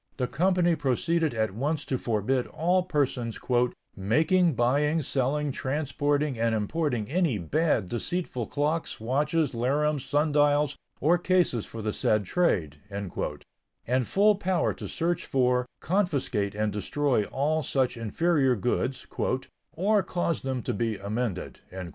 The company proceeded at once to forbid all persons "making, buying, selling, transporting, and importing any bad, deceitful clocks, watches, larums, sun dials or cases for the said trade," and full power to search for, confiscate and destroy all such inferior goods, "or cause them to be amended."